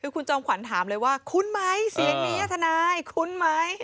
คุณจอมขวัญถามเลยว่าคุ้นไหมเสียงนี้ทนายคุ้นไหม